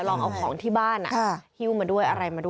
ลองเอาของที่บ้านหิ้วมาด้วยอะไรมาด้วย